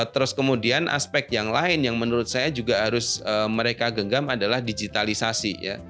terus kemudian aspek yang lain yang menurut saya juga harus mereka genggam adalah digitalisasi ya